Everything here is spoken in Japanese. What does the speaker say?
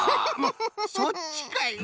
そっちかい！